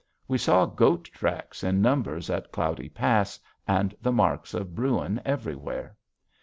We saw goat tracks in numbers at Cloudy Pass and the marks of Bruin everywhere.